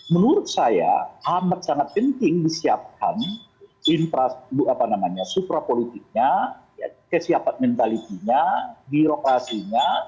menurut saya amat sangat penting disiapkan suprapolitiknya kesiapan mentalitiknya birokrasinya